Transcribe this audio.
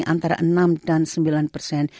antara enam dan sembilan persen